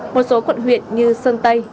một số quận huyện như sơn tây